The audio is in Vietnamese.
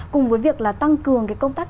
cùng với việc là tăng cường công tác